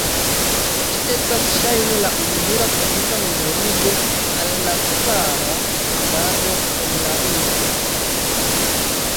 Ĝi estas ŝajne la ununura publika memorigo al la cara restado en la urbo.